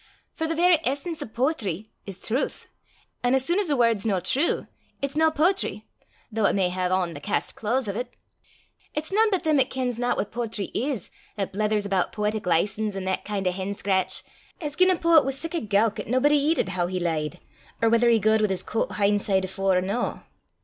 For the verra essence o' poetry is trowth, an' as sune 's a word's no true, it's no poetry, though it may hae on the cast claes o' 't. It's nane but them 'at kens na what poetry is, 'at blethers aboot poetic license, an' that kin' o' hen scraich, as gien a poet was sic a gowk 'at naebody eedit hoo he lee'd, or whether he gaed wi' 's cwite (coat) hin' side afore or no."